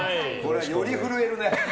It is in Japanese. より震えるね。